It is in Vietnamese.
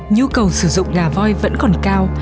nhu cầu sử dụng ngà voi vẫn còn cao